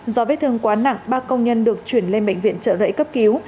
do vết thương quá nặng ba công nhân được chuyển lên bệnh viện trợ rẫy cấp cứu